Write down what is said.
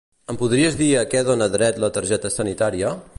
Em podries dir a què dona dret la targeta sanitària?